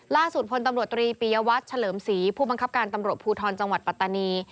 พลตำรวจตรีปียวัตรเฉลิมศรีผู้บังคับการตำรวจภูทรจังหวัดปัตตานี